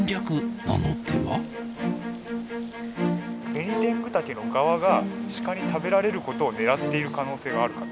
ベニテングタケの側がシカに食べられることをねらっている可能性はあるか？